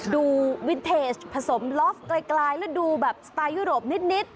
ดูวิธิเตจผสมลอฟต์และดูสไตล์ยุโรปนิด